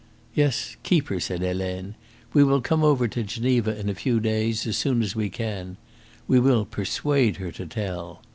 "Yes, keep her," said Helene. "We will come over to Geneva in a few days, as soon as we can. We will persuade her to tell."